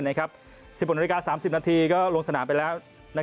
๑๖นาฬิกา๓๐นาทีก็ลงสนามไปแล้ว